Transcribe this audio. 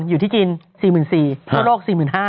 อยู่ที่จีน๔๔๐๐ทั่วโลก๔๕๐๐